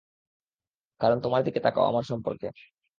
কারণ তোমার দিকে তাকাও আমার সম্পর্কে?